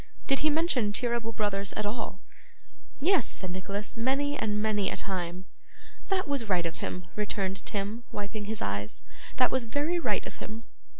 Did he mention Cheeryble Brothers at all?' 'Yes,' said Nicholas, 'many and many a time.' 'That was right of him,' returned Tim, wiping his eyes; 'that was very right of him.